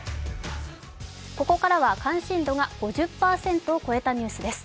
ここからは関心度が５０％を超えたニュースです。